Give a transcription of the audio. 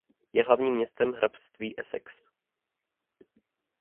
Je hlavním městem hrabství Essex.